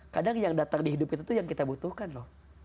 kadang yang datang di hidup kita tuh yang kita butuhkan loh